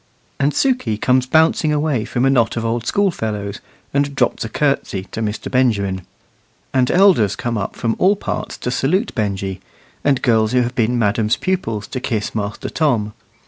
And Sukey comes bouncing away from a knot of old school fellows, and drops a curtsey to Mr. Benjamin. And elders come up from all parts to salute Benjy, and girls who have been madam's pupils to kiss Master Tom.